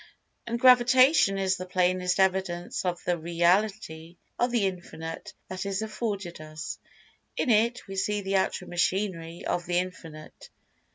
And Gravitation is the plainest[Pg 190] evidence of the REALITY of The Infinite that is afforded us. In it we see the actual machinery of The Infinite.